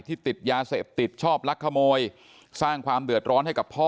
ติดยาเสพติดชอบลักขโมยสร้างความเดือดร้อนให้กับพ่อ